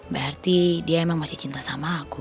berarti dia emang masih cinta sama aku